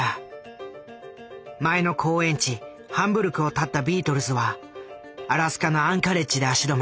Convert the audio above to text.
前の公演地ハンブルクをたったビートルズはアラスカのアンカレッジで足止め。